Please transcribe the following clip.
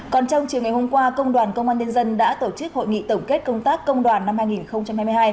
còn trong chiều ngày hôm qua công đoàn công an nhân dân đã tổ chức hội nghị tổng kết công tác công đoàn năm hai nghìn hai mươi hai